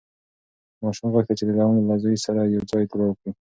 ماشوم غوښتل چې د لونګ له زوی سره یو ځای لوبه وکړي.